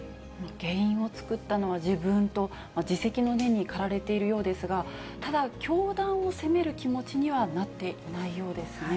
原因を作ったのは自分と、自責の念に駆られているようですが、ただ、教団を責める気持ちにはなっていないようですね。